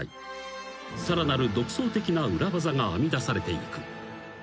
［さらなる独創的な裏技が編み出されていく］